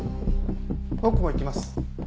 僕も行きます。